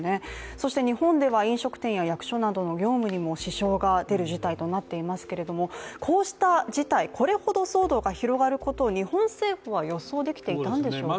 そして日本では飲食店や役所の業務に支障が出ていますが、こうした事態、これほど騒動が拡がることを日本政府は予想できていたんでしょうか？